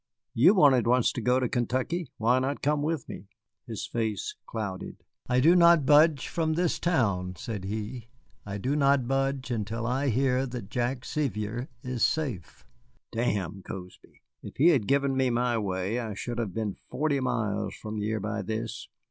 "You wanted once to go to Kentucky; why not come with me?" His face clouded. "I do not budge from this town," said he, "I do not budge until I hear that Jack Sevier is safe. Damn Cozby! If he had given me my way, we should have been forty miles from here by this.